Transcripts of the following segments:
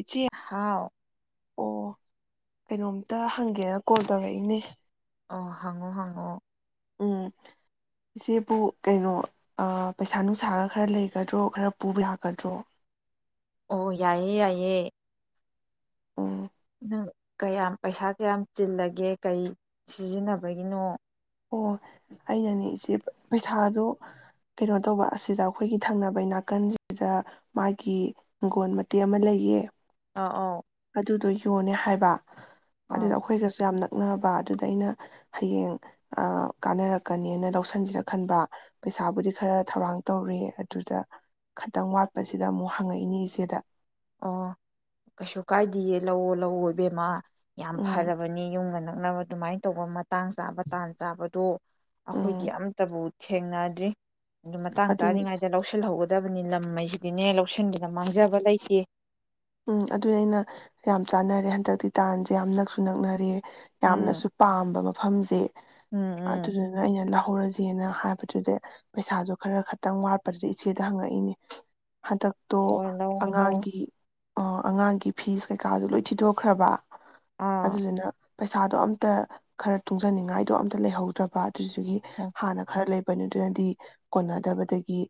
ꯏꯆꯦ ꯍꯥꯎ ꯑꯣ ꯀꯩꯅꯣꯝꯇ ꯍꯪꯒꯦꯅ ꯀꯣꯜ ꯇꯧꯔꯛꯏꯅꯦ ꯑꯣ ꯍꯪꯉꯣ ꯍꯪꯉꯣ ꯎꯝ ꯏꯆꯦꯕꯨ ꯀꯩꯅꯣ ꯄꯩꯁꯥ ꯅꯨꯡꯁꯥꯒ ꯈꯔ ꯂꯩꯒꯗ꯭ꯔꯣ ꯈꯔ ꯄꯨꯕ ꯌꯥꯒꯗ꯭ꯔꯣ ꯑꯣ ꯌꯥꯏꯌꯦ ꯌꯥꯏꯌꯦ ꯑ ꯅꯪ ꯀꯌꯥꯝ ꯄꯩꯁꯥ ꯀꯌꯥꯝ ꯆꯤꯜꯂꯒꯦ ꯀꯩ ꯁꯤꯖꯤꯟꯅꯕꯒꯤꯅꯣ ꯑꯣ ꯑꯩꯅꯅꯦ ꯏꯆꯦ ꯄꯩꯁꯥꯗꯣ ꯀꯩꯅꯣ ꯇꯧꯕ ꯑꯁꯤꯗ ꯑꯩꯈꯣꯏꯒꯤ ꯊꯪꯅꯕꯩ ꯅꯥꯀꯟꯁꯤꯗ ꯃꯥꯒꯤ ꯍꯤꯡꯒꯣꯟ ꯃꯇꯦꯛ ꯑꯃ ꯂꯩꯌꯦ ꯑ ꯑꯣ ꯑꯗꯨꯗꯣ ꯌꯣꯟꯅꯦ ꯍꯥꯏꯕ ꯑꯥ ꯑꯗꯨꯗ ꯑꯩꯈꯣꯏꯒꯁꯨ ꯌꯥꯝꯅ ꯅꯛꯅꯕ ꯑꯗꯨꯗ ꯑꯩꯅ ꯍꯌꯦꯡ ꯀꯥꯟꯅꯔꯛ ꯀꯅꯤꯅ ꯂꯧꯁꯟꯖꯤꯔꯅ ꯈꯟꯕ ꯄꯩꯁꯥꯕꯨꯗꯤ ꯈꯔ ꯊꯧꯔꯥꯡ ꯇꯧꯔꯦ ꯑꯗꯨꯗ ꯈꯤꯇꯪ ꯋꯥꯠꯄꯁꯤꯗ ꯑꯃꯨꯛ ꯍꯪꯉꯛꯏꯅꯤ ꯏꯆꯦꯗ ꯑꯣ ꯀꯩꯁꯨ ꯀꯥꯏꯗꯦꯌꯦ ꯂꯧꯑꯣ ꯂꯧꯑꯣ ꯑꯣꯏꯕꯦꯝꯃ ꯌꯥꯝ ꯎꯝ ꯐꯔꯕꯅꯤ ꯌꯨꯝꯒꯅ ꯅꯛꯅꯕ ꯑꯗꯨꯃꯥꯏꯅ ꯇꯧꯕ ꯃꯇꯥꯡ ꯆꯥꯕ ꯇꯥꯟ ꯆꯥꯕꯗꯣ ꯑꯩꯈꯣꯏꯗꯤ ꯎꯝ ꯑꯝꯇꯕꯨ ꯊꯦꯡꯅꯗ꯭ꯔꯤ ꯑꯗꯨ ꯃꯇꯥꯡ ꯑꯗꯨꯅꯤ ꯆꯥꯔꯤꯉꯩꯗ ꯂꯧꯁꯤꯜꯍꯧ ꯗꯕꯅꯤ ꯂꯝ ꯍꯥꯏꯁꯤꯗꯤꯅꯦ ꯂꯧꯁꯤꯟꯕꯗ ꯃꯥꯡꯖꯕ ꯂꯩꯇꯦ ꯎꯝ ꯑꯗꯨꯅꯤ ꯑꯩꯅ ꯌꯥꯝ ꯆꯥꯅꯔꯦ ꯍꯟꯗꯛꯇꯤ ꯇꯥꯟꯁꯦ ꯌꯥꯝ ꯅꯛꯁꯨ ꯅꯛꯅꯔꯦ ꯎꯝ ꯌꯥꯝꯅꯁꯨ ꯄꯥꯝꯕ ꯃꯐꯝꯁꯦ ꯎꯝ ꯎꯝ ꯑꯗꯨꯗꯨꯅ ꯑꯩꯅ ꯂ ꯍꯧꯔꯁꯦꯅ ꯍꯥꯏꯕꯗꯨꯗ ꯄꯩꯁꯥꯗꯣ ꯈꯔ ꯈꯇꯪ ꯋꯥꯠꯄꯗꯨꯗꯤ ꯏꯆꯦꯗ ꯍꯪꯉꯛꯏꯅꯦ ꯍꯟꯗꯛꯇꯣ ꯑꯣ ꯂꯧꯑꯣ ꯂꯧꯑꯣ ꯑꯉꯥꯡꯒꯤ ꯑ ꯑꯉꯥꯡꯒꯤ ꯐꯤꯁ ꯀꯩꯀꯥꯁꯨ ꯂꯣꯏ ꯊꯤꯗꯣꯛꯈ꯭ꯔꯕ ꯑꯥ ꯑꯗꯨꯗꯨꯅ ꯄꯩꯁꯥꯗꯣ ꯑꯝꯇ ꯈꯔ ꯇꯨꯡꯖꯅꯤꯡꯉꯥꯏꯗꯣ ꯑꯝꯇ ꯂꯩꯍꯧꯗ꯭ꯔꯕ ꯑꯗꯨꯒꯤ ꯍꯥꯟꯅ ꯈꯔ ꯂꯩꯕ ꯄꯅꯗꯨꯅꯗꯤ ꯀꯣꯟꯅꯗꯕꯗꯒꯤ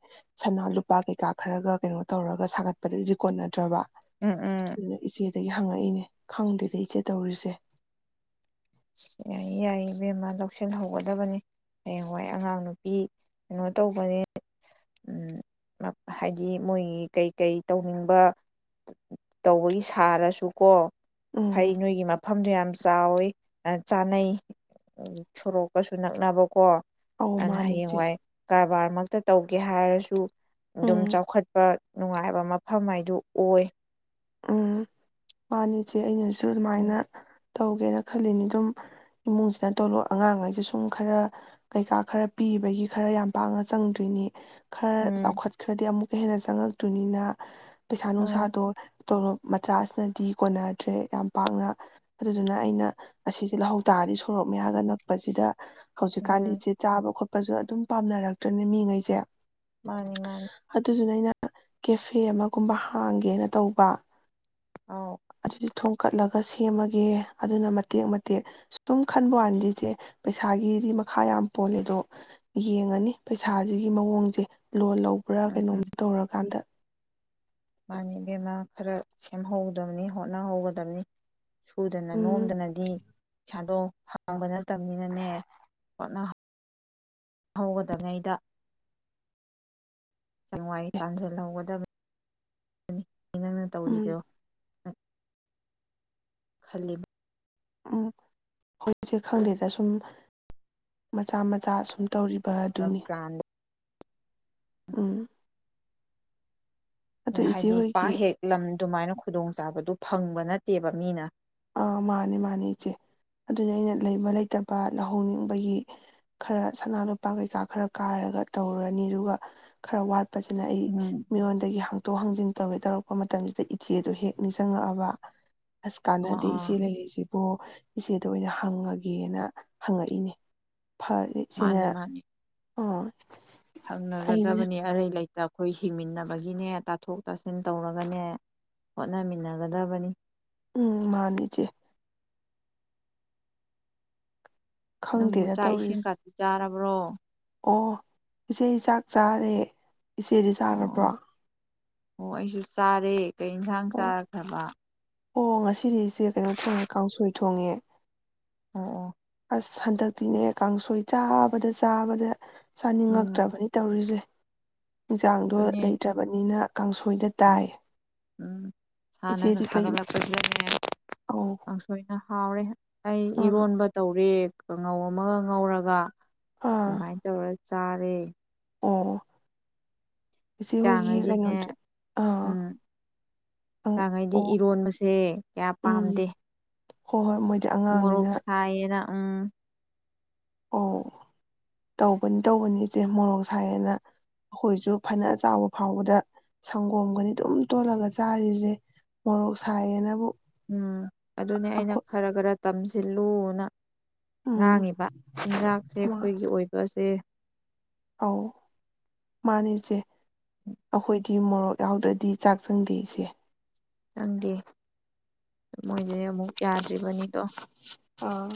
ꯁꯅꯥ ꯂꯨꯄꯥ ꯀꯩꯀꯥ ꯈꯔꯒ ꯀꯩꯅꯣ ꯇꯧꯔꯒ ꯁꯥꯒꯠꯄꯗꯗꯤ ꯀꯣꯟꯅꯗ꯭ꯔꯕ ꯎꯝ ꯎꯝ ꯑꯗꯨꯗ ꯏꯆꯦ ꯗꯒꯤ ꯍꯪꯉꯛꯏꯅꯦ ꯈꯪꯗꯦꯗ ꯏꯆꯦ ꯇꯧꯔꯤꯁꯦ ꯌꯥꯏꯌꯦ ꯌꯥꯏꯌꯦ ꯕꯦꯝꯃꯥ ꯂꯧꯁꯤꯟꯍꯧꯒꯗꯕꯅꯤ ꯍꯌꯦꯡꯋꯥꯏ ꯑꯉꯥꯡ ꯅꯨꯄꯤ ꯀꯩꯅꯣ ꯇꯧꯕꯅꯦ ꯍꯥꯏꯗꯤ ꯃꯣꯏꯒꯤ ꯀꯩꯀꯩ ꯇꯧꯅꯤꯡꯕ ꯇꯧꯕꯒꯤ ꯁꯥꯔꯁꯨꯀꯣ ꯎꯝ ꯐꯩ ꯅꯣꯏꯒꯤ ꯃꯐꯝꯗꯨ ꯌꯥꯝ ꯆꯥꯎꯏ ꯆꯥꯅꯩ ꯁꯣꯔꯣꯛꯀꯁꯨ ꯅꯛꯅꯕꯀꯣ ꯑꯧ ꯑ ꯃꯥꯅꯤ ꯍꯌꯦꯡ ꯏꯆꯦ ꯋꯥꯏꯀꯥ ꯀꯔꯥꯕꯥꯔꯃꯛꯇ ꯇꯧꯒꯦ ꯍꯥꯏꯔꯁꯨ ꯑꯗꯨꯝ ꯎꯝ ꯆꯥꯎꯈꯠꯄ ꯅꯨꯡꯉꯥꯏꯕ ꯃꯐꯝ ꯍꯥꯏꯗꯨ ꯑꯣꯏ ꯎꯝ ꯃꯥꯅꯦ ꯏꯁꯦ ꯑꯩꯅꯁꯨ ꯁꯨ ꯑꯗꯨꯃꯥꯏꯅ ꯇꯧꯒꯦꯅ ꯈꯜꯂꯤꯅꯤ ꯑꯗꯨꯝ ꯏꯃꯨꯡꯁꯤꯅ ꯇꯣꯂꯣ ꯑꯉꯥꯡꯉꯩꯁꯦ ꯁꯨꯝ ꯈꯔ ꯀꯩꯀꯥ ꯈꯔ ꯄꯤꯕꯒꯤ ꯈꯔ ꯌꯥꯝ ꯄꯥꯡꯅ ꯆꯪꯗ꯭ꯔꯤꯅꯤ ꯈꯔ ꯎꯝ ꯆꯥꯎꯈꯠꯈꯔ꯭ꯥ ꯗꯤ ꯑꯃꯨꯛ ꯍꯦꯟꯅ ꯆꯪꯉꯛꯇꯨꯅꯤꯅ ꯎꯝ ꯄꯩꯁꯥꯅꯨꯡꯁꯥꯗꯣ ꯁꯣꯔꯣꯛꯞ ꯃꯆꯥꯁꯤꯅꯗꯤ ꯀꯣꯟꯅꯗ꯭ꯔꯦ ꯌꯥꯝ ꯄꯥꯛꯅ ꯑꯗꯨꯗꯨꯅ ꯑꯩꯅ ꯑꯁꯤꯁꯦ ꯂꯧꯍꯧ ꯇꯥꯔꯗꯤ ꯁꯣꯔꯣꯛꯞ ꯃꯌꯥꯒ ꯅꯛꯄꯁꯤꯗ ꯍꯧꯖꯤꯛꯀꯥꯟꯗꯤ ꯎꯝ ꯏꯆꯦ ꯆꯥꯕ ꯈꯣꯠꯄ ꯖꯨ ꯑꯗꯨꯝ ꯄꯥꯝꯅꯔꯛꯇ꯭ꯔꯅꯦ ꯃꯤꯉꯩꯁꯦ ꯃꯥꯅꯤ ꯃꯥꯅꯤ ꯑꯗꯨꯗꯨꯅ ꯑꯩꯅ ꯀꯦꯐꯦ ꯑꯃꯒꯨꯝꯕ ꯍꯥꯡꯒꯦꯅ ꯇꯧꯕ ꯕꯥ ꯑꯥꯎ ꯑꯗꯨ ꯊꯣꯝꯀꯠꯂꯒ ꯁꯦꯝꯃꯒꯦ ꯑꯗꯨꯅ ꯃꯇꯦꯛ ꯃꯇꯦꯛ ꯁꯨꯝ ꯈꯟꯕꯋꯥꯅꯤꯗ ꯏꯁꯦ ꯄꯩꯁꯥꯒꯤꯗꯤ ꯃꯈꯥ ꯌꯥꯝ ꯄꯣꯜꯂꯦꯗꯣ ꯌꯦꯡꯉꯅꯤ ꯄꯩꯁꯥꯁꯤꯒꯤ ꯃꯑꯣꯡꯁꯦ ꯂꯣꯟ ꯂꯧꯕ꯭ꯔꯥ ꯎꯝ ꯀꯩꯅꯣꯝ ꯇꯧꯔꯀꯥꯟꯗ ꯃꯥꯅꯦ ꯕꯦꯝꯃ ꯈꯔ ꯁꯦꯝꯍꯧꯒꯗꯕꯅꯤ ꯍꯣꯠꯅꯍꯧꯒꯗꯕꯅꯤ ꯁꯨꯗꯅ ꯎꯝ ꯅꯣꯝꯗꯅꯗꯤ ꯄꯩꯁꯩꯥꯗꯣ ꯐꯪꯕ ꯅꯠꯇꯕꯅꯤꯅꯅꯦ ꯍꯣꯠꯅ ꯍꯧꯒꯗꯕꯅꯦ ꯑꯩꯗ ꯁꯦꯡꯋꯥꯏ ꯇꯥꯟꯁꯤꯜꯍꯧꯒꯗꯕꯅꯤ ꯑꯩ ꯅꯪꯅ ꯎꯝ ꯇꯧꯔꯤꯗꯣ ꯈꯜꯂꯤ ꯎꯝ ꯍꯣꯏ ꯏꯁꯦ ꯈꯪꯗꯦꯗ ꯁꯨꯝ ꯃꯆꯥ ꯃꯆꯥ ꯁꯨꯝ ꯇꯧꯔꯤꯕ ꯕꯥꯥꯗꯨꯅꯤ ꯄ꯭ꯂꯥꯟꯗꯣ ꯎꯝ ꯑꯗꯨ ꯏꯆꯦ ꯍꯥꯏꯗꯤ ꯄꯥꯛ ꯍꯣꯏꯒꯤ ꯍꯦꯛ ꯂꯝ ꯑꯗꯨꯃꯥꯏꯅ ꯈꯨꯗꯣꯡꯆꯥꯥꯕꯗꯨ ꯐꯪꯕ ꯅꯠꯇꯦꯕ ꯃꯤꯅ ꯑꯥ ꯃꯥꯅꯦ ꯃꯥꯅꯦ ꯏꯆꯦ ꯑꯗꯨꯅ ꯑꯩꯅ ꯂꯩꯕ ꯂꯩꯇꯕ ꯂꯧꯍꯧꯅꯤꯡꯕꯒꯤ ꯈꯔ ꯁꯅꯥ ꯂꯨꯄꯥ ꯀꯩꯀꯥ ꯈꯔ ꯀꯥꯏꯔꯒ ꯇꯧꯔꯨꯔꯅꯤ ꯑꯗꯨꯒ ꯈꯔ ꯋꯥꯠꯄ ꯐꯖꯅ ꯑꯩ ꯎꯝ ꯃꯤꯉꯣꯟꯗꯒꯤ ꯍꯥꯡꯇꯣꯛ ꯍꯥꯡꯖꯤꯟ ꯇꯧꯒꯦ ꯇꯧꯔꯛꯄ ꯃꯇꯝꯁꯤꯗ ꯏꯆꯦꯗꯣ ꯍꯦꯛ ꯅꯤꯡꯁꯤꯡꯉꯛꯑꯕ ꯑꯣ ꯀꯥꯟꯅꯗꯦ ꯑꯣ ꯏꯆꯦ ꯂꯩꯔꯤꯁꯤꯕꯨ ꯏꯆꯦꯗ ꯑꯣꯏꯅ ꯍꯪꯉꯒꯦꯅ ꯍꯪꯉꯛꯏꯅꯦ ꯐꯥꯔꯠꯂꯤꯁꯤꯅ ꯍꯪꯅꯒꯗꯕꯅꯤ ꯑꯔꯩ ꯂꯩꯇꯕ ꯑꯩꯈꯣꯏ ꯍꯤꯡꯃꯤꯟꯅꯕꯒꯤꯅꯦ ꯇꯥꯊꯣꯛ ꯇꯥꯁꯤꯟ ꯇꯧꯔꯒꯅꯦ ꯍꯣꯠꯅꯃꯤꯟꯅꯒꯗꯕꯅꯤ ꯎꯝ ꯃꯥꯅꯤꯆꯦ ꯅꯪꯕꯨ ꯈꯪꯗꯦꯗ ꯆꯥꯛ ꯏꯁꯤꯡ ꯇꯧꯔꯤꯁꯦ ꯈꯇꯤ ꯆꯥꯔꯕ ꯕ꯭ꯔꯣ ꯑꯣ ꯏꯆꯦ ꯆꯥꯛ ꯆꯥꯔꯦ ꯏꯆꯦꯗꯤ ꯑꯣ ꯆꯥꯈꯔꯕ꯭ꯔꯣ ꯑꯣ ꯑꯩꯁꯨ ꯆꯥꯔꯦ ꯀꯩ ꯌꯦꯟꯁꯥꯡ ꯑꯣ ꯆꯥꯈ꯭ꯔꯕ ꯑꯣ ꯉꯁꯤꯗꯤ ꯏꯆꯦ ꯀꯩꯅꯣ ꯊꯣꯡꯉꯦ ꯀꯥꯡꯁꯣꯏ ꯊꯣꯡꯉꯦ ꯎꯝ ꯑꯁ ꯍꯟꯗꯛꯇꯤꯅꯦ ꯀꯥꯡꯁꯣꯏ ꯆꯥꯕꯗ ꯆꯥꯕꯗ ꯆꯥꯅꯤꯡꯉꯛꯇ꯭ꯔꯕꯅꯤ ꯇꯧꯔꯤꯁꯦ ꯌꯦꯟꯁꯥꯡꯗꯣ ꯑꯗꯨꯅꯦ ꯂꯩꯇ꯭ꯔꯕꯅꯤꯅ ꯀꯥꯡꯁꯣꯏꯗ ꯎꯝ ꯇꯥꯏ ꯎꯝ ꯁꯥ ꯅꯒ ꯏꯆꯦꯗꯤ ꯀꯩ ꯁꯥꯒꯠꯂꯛꯄꯁꯅꯦ ꯑꯧ ꯀꯥꯡꯁꯣꯏꯅ ꯍꯥꯎꯔꯦ ꯑꯩ ꯑꯥ ꯏꯔꯣꯟꯕ ꯇꯧꯔꯦ ꯀꯪꯉꯧ ꯑꯃꯒ ꯉꯧꯔꯒ ꯑꯥ ꯑꯗꯨꯃꯥꯏ ꯇꯧꯔ ꯆꯔꯦ ꯑꯣ ꯏꯆꯦ ꯆ ꯍꯣꯏꯒꯤ ꯆꯥꯡꯉꯩꯗꯤꯅꯦ ꯀꯩꯅꯣꯗꯤ ꯑꯥ ꯎꯝ ꯆ ꯑꯪ ꯆꯥꯡꯈꯩꯗꯤ ꯑꯣ ꯏꯔꯣꯟꯕꯁꯦ ꯀꯌꯥ ꯎꯝ ꯄꯥꯝꯗꯦ ꯍꯣꯏ ꯍꯣꯏ ꯃꯣꯏꯗꯤ ꯃꯣꯔꯣꯛ ꯑꯉꯥꯡꯅꯤꯅ ꯁꯥꯏꯌꯦꯅ ꯎꯝ ꯑꯣ ꯇꯧꯕꯅꯤ ꯇꯧꯕꯅꯤ ꯏꯆꯦ ꯃꯣꯔꯣꯛ ꯁꯥꯏꯌꯦꯦꯅ ꯑꯩꯈꯣꯏꯁꯨ ꯐꯅ ꯆꯥꯎꯕ ꯐꯥꯎꯕꯗ ꯁꯪꯒꯣꯝꯒꯅꯤ ꯑꯗꯨꯝ ꯇꯣꯜꯂꯒ ꯆꯥꯔꯤꯁꯦ ꯃꯣꯔꯣꯛ ꯁꯥꯏꯌꯦꯦꯅꯕꯨ ꯎꯝ ꯑꯗꯨꯅꯦ ꯑꯩꯅ ꯈꯔ ꯈꯔ ꯇꯝꯁꯤꯜꯂꯨꯅ ꯎꯝ ꯉꯥꯡꯉꯤꯕ ꯆꯤꯟꯖꯥꯛꯁꯦ ꯃꯥ ꯑꯩꯈꯣꯏꯒꯤ ꯑꯣꯏꯕ ꯑꯦ ꯑꯧ ꯃꯥꯅꯦ ꯏꯆꯦ ꯑꯩꯈꯣꯏꯗꯤ ꯃꯣꯔꯣꯛ ꯌꯥꯎꯗ꯭ꯔꯗꯤ ꯆꯥꯛ ꯆꯪꯗꯦ ꯏꯆꯦ [inaudible] ꯑ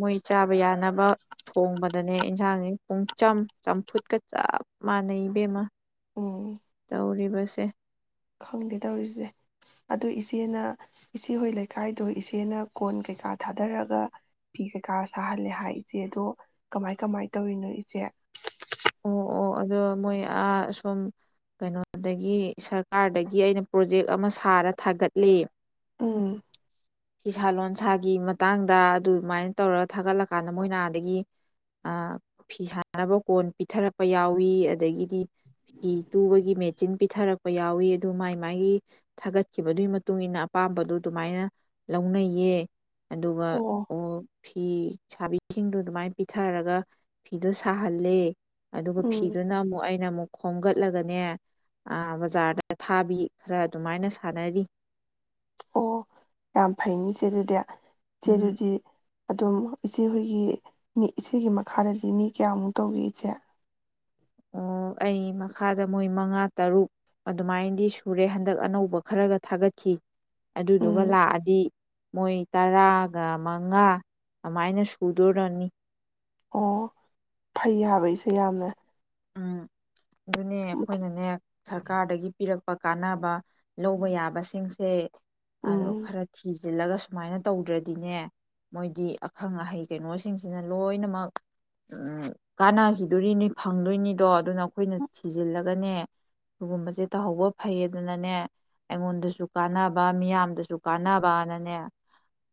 ꯃꯣꯏ ꯆꯥꯕ ꯌꯥꯅꯕ ꯊꯣꯡꯕꯗꯅꯦ ꯏꯟꯁꯥꯡꯁ ꯄꯨꯡ ꯆꯝ ꯆꯝꯐꯨꯠꯀ ꯆꯞ ꯃꯥꯟꯅꯩ ꯏꯕꯦꯝꯃ ꯎꯝ ꯍꯨꯔꯤꯕꯁꯦ ꯈꯪꯗꯦ ꯇꯧꯔꯤꯁꯦ ꯑꯗꯨ ꯏꯆꯦꯅ ꯏꯆꯦꯍꯣꯏ ꯂꯩꯀꯥꯏꯗꯣ ꯏꯆꯦꯅ ꯀꯣꯟ ꯀꯩꯀꯥ ꯊꯥꯗꯔꯒ ꯐꯤ ꯀꯩꯀꯥ ꯁꯥꯍꯜꯂꯦ ꯍꯥꯏ ꯏꯆꯦꯗꯣ ꯀꯃꯥꯏ ꯀꯃꯥꯏ ꯇꯧꯔꯤꯅꯣ ꯏꯆꯦ ꯑꯣ ꯑꯣ ꯑꯗꯣ ꯃꯣꯏ ꯁꯨꯝ ꯀꯩꯅꯣꯗꯒꯤ ꯁꯔꯀꯥꯔꯗꯒꯤ ꯑꯩꯅ ꯄ꯭ꯔꯣꯖꯦꯛ ꯑꯃ ꯁꯥꯔ ꯊꯥꯒꯠꯂꯤ ꯑꯥ ꯐꯤꯁꯥ ꯂꯣꯟꯁꯥꯒꯤ ꯃꯇꯥꯡꯗ ꯑꯗꯨꯃꯥꯏꯅ ꯇꯧꯔꯒ ꯊꯥꯒꯠꯂꯀꯥꯟꯗ ꯃꯣꯏꯅ ꯑꯗꯒꯤ ꯐꯤ ꯁꯥꯥꯟꯅꯕ ꯀꯣꯟ ꯄꯤꯊꯔꯛꯄ ꯌꯥꯎꯏꯤ ꯑꯗꯒꯤꯗꯤ ꯐꯤ ꯇꯨꯕꯒꯤ ꯃꯦꯆꯤꯟ ꯄꯤꯊꯔꯛꯄ ꯌꯥꯎꯏꯤ ꯑꯗꯨ ꯃꯥꯏ ꯃꯥꯒꯤ ꯊꯥꯒꯠꯈꯤꯕꯗꯨꯒꯤ ꯃꯇꯨꯡ ꯃꯇꯨꯡꯏꯟꯅ ꯑꯄꯥꯝꯕꯗꯨꯣ ꯑꯗꯨꯃꯥꯏꯅ ꯂꯧꯅꯩꯌꯦ ꯑꯗꯨꯒ ꯑꯣ ꯐꯤ ꯁꯥꯕꯤꯁꯤꯡꯗꯣ ꯑꯗꯨꯃꯥꯏꯅ ꯄꯤꯊꯔꯒ ꯐꯤꯗꯣ ꯁꯥꯍꯜꯂꯦ ꯑꯗꯨꯒ ꯎꯝ ꯐꯤꯗꯨꯅ ꯑꯃꯨꯛ ꯑꯩꯅ ꯑꯃꯨꯛ ꯈꯣꯝꯒꯠꯂꯒꯅꯦ ꯕꯖꯥꯔꯗ ꯊꯥꯕꯤ ꯈꯔ ꯑꯗꯨꯃꯥꯏꯅ ꯁꯥꯟꯅꯔꯤ ꯑꯣ ꯌꯥꯝ ꯐꯩꯅꯤꯁꯦ ꯏꯆꯦ ꯑꯗꯨꯗꯤ [unintelligible] ꯎꯝ ꯑꯗꯨꯗꯤ ꯑꯗꯣ ꯏꯆꯦꯍꯣꯏꯒꯤ ꯃꯤ ꯏꯆꯦꯒꯤ ꯃꯈꯥꯗꯗꯤ ꯃꯤ ꯀꯌꯥꯃꯨꯛ ꯇꯧꯒꯦ ꯏꯆꯦ ꯑꯣ ꯑꯩ ꯃꯈꯥꯗ ꯃꯣꯏ ꯃꯉꯥ ꯇꯔꯨꯛ ꯑꯗꯨꯃꯥꯏꯅꯗꯤ ꯁꯨꯔꯦ ꯍꯟꯗꯛ ꯑꯅꯧꯕ ꯈꯔꯒ ꯊꯥꯒꯠꯈꯤ ꯑꯗꯨꯗꯨꯒ ꯎꯝ ꯂꯥꯛꯑꯗꯤ ꯃꯣꯏ ꯇꯔꯥꯒ ꯃꯉꯥ ꯑꯃꯥꯏꯅ ꯁꯨꯗꯣꯔꯅꯤ ꯑꯣ ꯐꯩ ꯍꯥꯏꯕ ꯏꯆꯦ ꯌꯥꯝꯅ ꯎꯝ ꯑꯗꯨꯅꯦ ꯑꯩꯈꯣꯏꯅꯅꯦ ꯁꯔꯀꯥꯔꯗꯒꯤ ꯄꯤꯔꯛ ꯄ ꯀꯥꯟꯅꯕ ꯂꯧꯕ ꯌꯥꯕꯁꯤꯡꯁꯦ ꯑꯗꯣ ꯎꯝ ꯈꯔ ꯊꯤ ꯐꯥꯖꯤꯜꯂꯒ ꯁꯨꯃꯥꯏꯅ ꯇꯧꯗ꯭ꯔꯗꯤꯅꯦ ꯃꯣꯏꯗꯤ ꯑꯈꯪ ꯑꯍꯩ ꯀꯩꯅꯣꯁꯤꯡꯁꯤꯅ ꯂꯣꯏꯅꯃꯛ ꯀꯥꯟꯅꯈꯤꯗꯣꯔꯤꯅꯤ ꯐꯪꯗꯣꯏꯅꯤꯗꯣ ꯑꯗꯨꯅ ꯑꯩꯈꯣꯏꯅ ꯊꯤꯖꯤꯜꯂꯒ ꯒꯅꯦ ꯁꯤꯒꯨꯝꯕꯁꯦ ꯇꯧꯍꯧꯕ ꯐꯩꯌꯦꯗꯅꯅꯦ ꯑꯩꯉꯣꯟꯗꯁꯨ ꯀꯥꯟꯅꯕ ꯃꯤꯌꯥꯝꯗꯁꯨ ꯀꯥꯟꯅꯕꯅꯅꯦ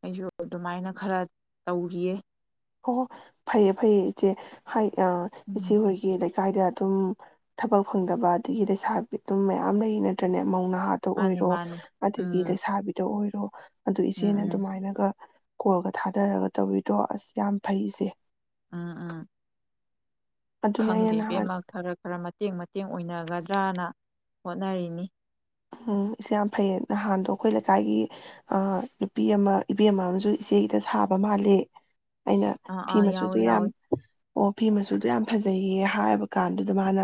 ꯑꯩꯁꯨ ꯑꯗꯨꯃꯥꯏꯅ ꯈꯔ ꯇꯧꯔꯤꯌꯦ ꯑꯣ ꯐꯩꯌꯦ ꯐꯩꯌꯦ ꯏꯆꯦ ꯍꯥꯏ ꯑ ꯎꯝ ꯏꯆꯦ ꯍꯣꯏꯒꯤ ꯂꯩ ꯂꯩꯀꯥꯏꯗ ꯑꯗꯨꯝ ꯊꯕꯛ ꯐꯪꯗꯕ ꯑꯗꯒꯤ ꯂꯩꯁꯥꯕꯤ ꯑꯗꯨꯝ ꯃꯌꯥꯝ ꯂꯩ ꯅꯠꯇ꯭ꯔꯅꯦ ꯃꯧ ꯅꯍꯥꯗ ꯃꯥꯅꯤ ꯑꯣꯏꯔꯣ ꯃꯥꯅꯤ ꯑꯗꯒꯤ ꯎꯝ ꯂꯩꯁꯥꯕꯤꯗ ꯑꯣꯏꯔꯣ [unintelligible] ꯑꯗꯨ ꯎꯝ ꯏꯆꯦꯅ ꯎꯝ ꯑꯗꯨꯃꯥꯏꯅꯒ ꯀꯣꯜꯒ ꯊꯥꯗꯔꯒ ꯇꯧꯕꯤꯗꯣ ꯑꯁ ꯌꯥꯝ ꯐꯩ ꯏꯆꯦ ꯑꯥ ꯑꯥ ꯑꯗꯨꯅꯦ ꯑꯩꯅ ꯈꯪꯗꯦ ꯅꯍꯥꯟ ꯏꯕꯦꯝꯃ ꯈꯔ ꯈꯔ ꯃꯇꯦꯡ ꯃꯇꯦꯡ ꯑꯣꯏꯅꯒꯗ꯭ꯔꯅ ꯍꯣꯠꯅꯔꯤꯅꯤ꯫ ꯎꯝ ꯏꯆꯦ ꯌꯥꯝ ꯐꯩꯌꯦ ꯅꯍꯥꯟꯗꯣ ꯑꯩꯈꯣꯏ ꯂꯩꯀꯥꯏꯒꯤ ꯑ-ꯅꯨꯄꯤ ꯑꯃ ꯏꯕꯦꯃ ꯑꯝꯁꯨ ꯏꯆꯦꯒꯤꯗ ꯁꯥꯕ ꯃꯥꯜꯂꯤ꯫ ꯑꯩꯅ ꯑꯥ ꯐꯤ ꯑꯥ ꯌꯥꯎꯋꯦ ꯃꯆꯨꯗꯨ ꯌꯥꯝ ꯌꯥꯎꯋꯦ ꯑꯣ ꯐꯤ ꯃꯆꯨꯗꯣ ꯌꯥꯝ ꯐꯖꯩꯌꯦ ꯍꯥꯏꯕ ꯀꯥꯟꯗꯨꯗ ꯃꯥꯅ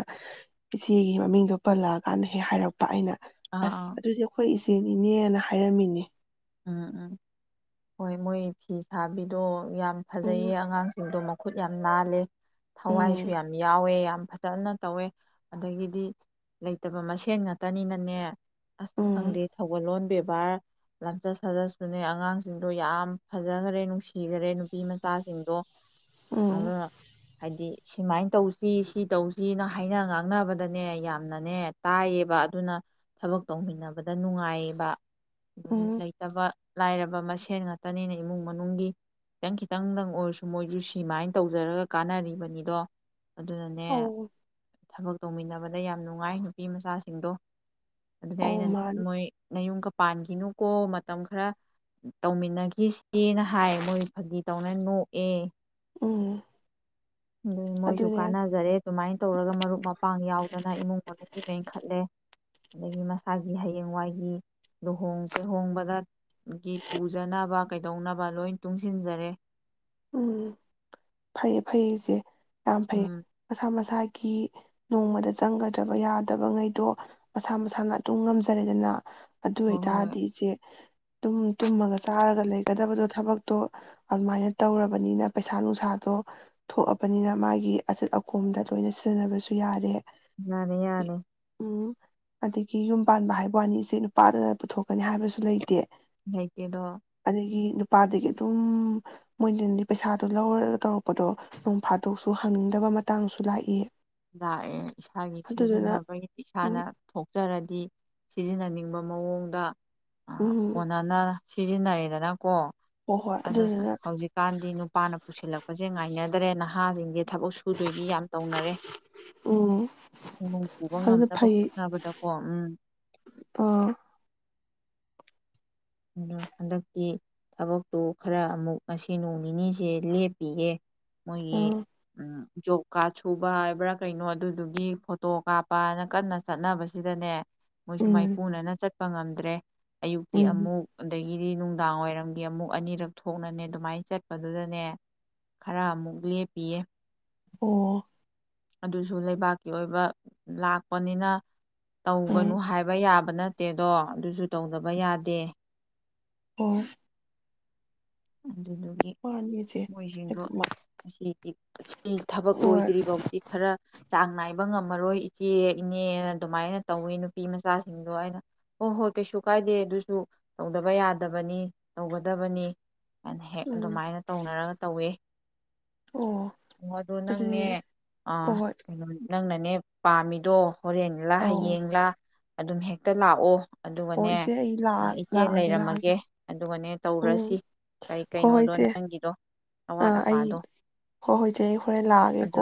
ꯏꯆꯦꯒꯤ ꯃꯃꯤꯡꯗꯣ ꯄꯜꯂꯛꯑꯀꯥꯟꯗ ꯍꯦꯛ ꯍꯥꯏꯔꯛꯄ ꯑꯩꯅ ꯑꯥ ꯑꯁ ꯑꯥ ꯑꯗꯨꯗꯤ ꯑꯩꯈꯣꯏ [unintelligible] ꯏꯅꯦꯅ ꯍꯥꯏꯔꯝꯃꯤꯅꯦ꯫ ꯎꯝ ꯎꯝ ꯍꯣꯏ ꯃꯣꯏ ꯐꯤ ꯁꯥꯕꯤꯗꯣ꯫ ꯌꯥꯝ ꯎꯝ ꯐꯖꯩꯌꯦ ꯑꯉꯥꯡꯁꯤꯡꯗꯣ ꯈꯨꯠ ꯌꯥꯝ ꯅꯥꯜꯂꯦ꯫ ꯊꯋꯥꯏꯁꯨ ꯎꯝ ꯌꯥꯝ ꯌꯥꯎꯋꯦ ꯌꯥꯝ ꯐꯖꯅ ꯇꯧꯋꯦ ꯑꯗꯒꯤꯗꯤ ꯂꯩꯇꯕ ꯃꯁꯦꯟ ꯉꯥꯛꯇꯅꯤꯅꯅꯦ꯫ ꯎꯝ ꯈꯪꯗꯦ ꯊꯧꯒꯜꯂꯣꯟ ꯕꯦ [unintelligible] ꯂꯝꯆꯠ ꯁꯥꯖꯠꯁꯨꯅꯦ ꯑꯉꯥꯡꯁꯤꯡꯗꯣ ꯌꯥꯝ ꯐꯖꯒ꯭ꯔꯦ ꯅꯨꯡꯁꯤ ꯊꯤꯗꯔꯦ ꯅꯨꯄꯤ ꯃꯆꯥꯁꯤꯡꯗꯣ ꯎꯝ [unintelligible] ꯍꯥꯏꯗꯤ꯫ ꯁꯨꯃꯥꯏꯅ ꯇꯧꯁꯤ ꯁꯤ ꯇꯧꯁꯤꯅ ꯍꯥꯏꯅ ꯉꯥꯡꯅꯕꯗꯅꯦ ꯌꯥꯝꯅꯅꯦ ꯇꯥꯏꯌꯦꯕ ꯑꯗꯨꯅ ꯊꯕꯛ ꯇꯧꯃꯤꯟꯅꯕꯗ ꯅꯨꯡꯉꯥꯏꯌꯦꯕ꯫ ꯑꯗꯨꯝ ꯎꯝ ꯂꯩꯇꯕ ꯂꯥꯏꯔꯕ ꯃꯁꯦꯟ ꯉꯥꯛꯇꯅꯤꯅ ꯏꯃꯨꯡ ꯃꯅꯨꯡꯒꯤ ꯈꯤꯇꯪ ꯈꯤꯇꯪꯗꯪ ꯑꯣꯏꯔꯁꯨ ꯃꯣꯏꯁꯨ ꯁꯤꯃꯥꯏꯅ ꯇꯧꯖꯔꯒ ꯀꯥꯟꯅꯔꯤꯕꯅꯤꯗꯣ꯫ ꯑꯗꯨꯅꯅꯦ꯫ ꯑꯧ ꯊꯕꯛ ꯇꯧꯃꯤꯟꯅꯕꯗ ꯌꯥꯝ ꯅꯨꯡꯉꯥꯏ ꯅꯨꯄꯤ ꯃꯆꯥꯁꯤꯡꯗꯣ꯫ ꯑꯗꯨꯅꯦ ꯑꯧ ꯑꯩꯅ ꯃꯥꯅꯤ ꯃꯣꯏ ꯅꯌꯨꯝꯒ ꯄꯥꯟ [unintelligible] ꯑꯣ ꯃꯇꯝ ꯈꯔ ꯇꯧꯃꯤꯟꯅꯈꯤꯁꯤꯅ ꯍꯥꯏ ꯃꯣꯏ ꯐꯒꯤ ꯇꯧꯅ ꯅꯣꯛꯑꯦ꯫ ꯎꯝ꯫ ꯑꯗꯨ ꯃꯣꯏꯁꯨ ꯑꯗꯨꯅꯦ ꯀꯥꯟꯅꯖꯔꯦ ꯑꯗꯨꯃꯥꯏꯅ ꯇꯧꯔꯒ ꯃꯔꯨꯞ ꯃꯄꯥꯡ ꯌꯥꯎꯗꯅ ꯏꯃꯨꯡ ꯃꯅꯨꯡ ꯃꯦꯟꯈꯠꯂꯦ ꯑꯗꯒꯤ ꯃꯁꯥꯒꯤ ꯍꯌꯦꯡꯋꯥꯏꯒꯤ ꯂꯨꯍꯣꯡ ꯀꯩꯍꯣꯡꯕꯗꯒꯤ ꯄꯨꯖꯅꯕ ꯀꯩꯗꯧꯅꯕ ꯂꯣꯏ ꯇꯨꯡꯁꯤꯟꯖꯔꯦ꯫ ꯎꯝ ꯐꯩꯌꯦ ꯐꯩꯌꯦ ꯏꯆꯦ꯫ ꯌꯥꯝ ꯐꯩ ꯎꯝ ꯃꯁꯥ ꯃꯁꯥ [unintelligible] ꯅꯣꯡꯃꯗ ꯆꯪꯒꯗ꯭ꯔꯕ ꯌꯥꯗꯕꯉꯩꯗꯣ ꯃꯁꯥ ꯃꯁꯥꯅ ꯑꯗꯨꯝ ꯉꯝꯖꯔꯦꯗꯅ꯫ ꯑꯗꯨ ꯍꯣꯏ ꯍꯣꯏ ꯑꯣꯏꯇꯥꯔꯗꯤ ꯏꯆꯦ꯫ ꯑꯗꯨꯝ ꯇꯨꯝꯃꯒ ꯆꯥꯔꯒ ꯂꯩꯒꯗꯕꯗꯣ ꯊꯕꯛꯇꯣ ꯑꯗꯨꯃꯥꯏꯅ ꯇꯧꯔꯕꯅꯤꯅ ꯄꯩꯁꯥ ꯅꯨꯡꯁꯥꯗꯣ ꯊꯣꯛꯑꯕꯅꯤꯅ ꯃꯥꯒꯤ ꯑꯆꯠ ꯑꯀꯣꯝꯗ ꯂꯣꯏꯅ ꯁꯤꯖꯤꯟꯅꯕꯁꯨ ꯌꯥꯔꯦ ꯌꯥꯔꯦ ꯌꯥꯔꯦ ꯎꯝ ꯑꯗꯒꯤ ꯌꯨꯝ ꯄꯥꯟꯕ ꯍꯥꯏꯕ ꯋꯥꯅꯤꯁꯦ ꯅꯨꯄꯥꯗꯅ ꯄꯨꯊꯣꯛꯀꯅꯤ ꯍꯥꯏꯕꯁꯨ ꯂꯩꯇꯦ [unintelligible] ꯄꯥꯥꯗꯒꯤ ꯑꯗꯨꯝ ꯃꯣꯏꯅꯗꯤ ꯄꯩꯁꯥꯗꯣ ꯂꯧꯔꯒ ꯇꯧꯔꯛꯄꯗꯣ ꯅꯣꯡ ꯐꯥꯗꯣꯛꯁꯨ ꯍꯪꯅꯤꯡꯗꯕ ꯃꯇꯥꯡꯁꯨ ꯂꯥꯛꯏ ꯂꯥꯛꯑꯦ ꯏꯁꯥꯒꯤ ꯑꯗꯨꯗꯨꯅ ꯁꯤꯖꯤꯟꯅꯕꯒꯤ ꯎꯝ ꯏꯁꯥꯅ ꯊꯣꯛꯆꯔꯗꯤ ꯁꯤꯖꯤꯟꯅꯅꯤꯡ ꯕ ꯃꯑꯣꯡꯗ ꯑ ꯎꯝ ꯀꯣꯅꯥꯅ ꯁꯤꯖꯤꯟꯅꯩꯌꯦꯗꯅ ꯀꯣ ꯍꯣꯏ ꯍꯣꯏ ꯑꯗꯨꯅ ꯑꯗꯨꯗꯨꯅ ꯍꯧꯖꯤꯛꯀꯥꯟꯗꯤ ꯅꯨꯄꯥꯅ ꯄꯨꯁꯤꯜꯂꯛꯄꯁꯦ ꯉꯥꯏꯅꯗꯦ ꯦ ꯅꯍꯥꯁꯤꯡꯒꯤꯦ ꯊꯕꯛ ꯁꯨꯗꯣꯏꯒꯤ ꯌꯥꯝ ꯇꯧꯅꯔꯦ ꯎꯝ ꯏꯃꯨꯡ ꯄꯨꯕ ꯑꯗꯨꯅ ꯉꯝꯅꯕ ꯐꯩ ꯍꯣꯠꯅꯕꯗꯀꯣ ꯎꯝ ꯑꯥ ꯑꯗꯣ ꯍꯟꯗꯛꯇꯤ ꯊꯕꯛꯇꯨ ꯈꯔ ꯑꯃꯨꯛ ꯉꯁꯤ ꯅꯣꯡ ꯅꯤꯅꯤꯁꯦ ꯂꯦꯞꯄꯤꯒꯦ ꯃꯣꯏꯒꯤ ꯑꯥ ꯖꯣꯕ ꯀꯥꯔꯗ ꯁꯨꯕ ꯍꯥꯏꯕ꯭ꯔꯥ ꯀꯩꯅꯣ ꯑꯗꯨꯗꯨꯒꯤ ꯐꯣꯇꯣ ꯀꯥꯞꯄꯅ ꯀꯟꯅ ꯆꯠꯅꯕꯁꯤꯗꯅꯦ ꯃꯣꯏꯁꯨ ꯃꯥꯏ ꯎꯝ ꯄꯨꯅꯅ ꯆꯠꯄ ꯆꯠꯄ ꯉꯝꯗ꯭ꯔꯦ ꯑꯌꯨꯛꯀꯤ ꯎꯝ ꯑꯃꯨꯛ ꯑꯗꯒꯤꯗꯤ ꯅꯨꯡꯗꯥꯡ ꯋꯥꯏꯔꯝꯒꯤ ꯑꯃꯨꯛ ꯑꯅꯤꯔꯛ ꯊꯣꯛꯅꯅꯦ ꯑꯗꯨꯃꯥꯏꯅ ꯆꯠꯄꯗꯨꯗꯅꯦ ꯈꯔ ꯑꯃꯨꯛ ꯂꯦꯞꯄꯤꯌꯦ ꯑꯣ ꯑꯗꯨꯁꯨ ꯂꯩꯕꯥꯛꯀꯤ ꯑꯣꯏꯕ ꯂꯥꯛꯄꯅꯤꯅ ꯑꯥ ꯇꯧꯒꯅꯨ ꯍꯥꯏꯕ ꯌꯥꯕ ꯅꯠꯇꯦꯗꯣ ꯑꯗꯨꯁꯨ ꯇꯧꯗꯕ ꯌꯥꯗꯦ ꯍ ꯑꯗꯨꯗꯒꯤ ꯋꯥꯅꯤꯁꯦ ꯃꯣꯏꯁꯤꯡꯗꯣ ꯑꯁꯤꯗꯤ ꯁꯤ ꯊꯕꯛ ꯍꯣꯏ ꯂꯣꯏꯗ꯭ꯔꯤꯐꯥꯎꯗꯤ ꯈꯔ ꯆꯥꯡ ꯅꯥꯏꯕ ꯉꯝꯃꯔꯣꯏ ꯏꯆꯦ ꯏꯅꯦꯅ ꯑꯗꯨꯃꯥꯏꯅ ꯇꯧꯋꯤ ꯅꯨꯄꯤ ꯃꯆꯥꯁꯤꯡꯗꯣ ꯑꯩꯅ ꯍꯣꯏ ꯍꯣꯏ ꯀꯩꯁꯨ ꯀꯥꯏꯗꯦ ꯑꯗꯨꯁꯨ ꯇꯧꯗꯕ ꯌꯥꯗꯕꯅꯤ ꯇꯧꯒꯗꯕꯅꯤ ꯍꯥꯏꯅ ꯍꯦꯛ ꯎꯝ ꯑꯗꯨꯃꯥꯏꯅ ꯇꯧꯅꯔꯒ ꯇꯧꯋꯦ ꯑꯣ ꯑꯣ ꯑꯗꯨ ꯅꯪꯅꯦ ꯑꯗꯨꯅꯦ ꯑ ꯍꯣꯏ ꯍꯣꯏ ꯀꯩꯅꯣꯅꯦ ꯅꯪꯅꯅꯦ ꯄꯥꯝꯃꯤꯗꯣ ꯍꯣꯔꯦꯟꯡꯂꯥ ꯑꯧ ꯍꯌꯦꯡꯂꯡꯂꯥ ꯑꯗꯨꯝ ꯍꯦꯛꯇ ꯂꯥꯛꯑꯣ ꯑꯣ ꯑꯗꯨꯒꯅꯦ ꯏꯆꯦ ꯑꯩ ꯂꯥꯛꯑ ꯏꯆꯦ ꯂꯥꯛꯑꯒꯦ ꯂꯥꯛꯑꯒꯦ ꯂꯩꯔꯝꯃꯒꯦ ꯑꯗꯨꯒꯅꯦ ꯎꯝ ꯇꯧꯔꯁꯤ ꯀꯩ ꯍꯣꯏ ꯍꯣꯏ ꯀꯩꯅꯣꯗꯣ ꯏꯆꯦ ꯅꯪꯒꯤꯗꯣ ꯑꯋꯥꯠ ꯑꯥ ꯑꯩ ꯑꯄꯥꯗꯣ ꯍꯣꯏ ꯍꯣꯏ ꯏꯆꯦ ꯑꯩ ꯍꯣꯔꯦꯟ ꯑꯗꯣ ꯂꯥꯛꯑꯒꯦꯀꯣ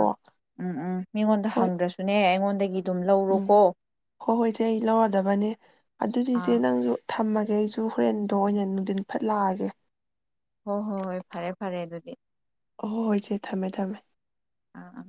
ꯎꯝ ꯎꯝ ꯃꯤꯉꯣꯟꯗ ꯍꯣꯏ ꯍꯪꯗ꯭ꯔꯁꯨꯅꯦ ꯅꯦ ꯑꯩꯉꯣꯟꯗꯒꯤ ꯑꯗꯨꯝ ꯎꯝ ꯂꯧꯔꯣꯀꯣ ꯍꯣꯏ ꯍꯣꯏ ꯏꯆꯦ ꯑꯩ ꯂꯧꯔꯗꯕꯅꯦ ꯑꯗꯨꯗꯤ ꯏꯆꯦ ꯑꯥ ꯅꯪꯖꯨ ꯊꯝꯃꯒꯦ ꯑꯩꯁꯨ ꯍꯣꯔꯦꯟꯗꯣ ꯑꯣꯏꯅ ꯅꯨꯡꯊꯤꯟ ꯐꯠ ꯂꯥꯛꯑꯒꯦ꯫ ꯍꯣꯏ ꯍꯣꯏ ꯍꯣꯏ ꯐꯔꯦ ꯐꯔꯦ ꯑꯗꯨꯗꯤ꯫ ꯑꯍꯣ ꯍꯣ ꯍꯣꯏꯆꯦ ꯊꯝꯃꯦ ꯊꯝꯃꯦ꯫ ꯑꯥ ꯑꯥ꯫